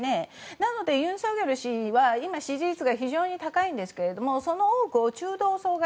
なのでユン・ソクヨル氏は人気度が非常に高いんですけれどもその多くを中道層が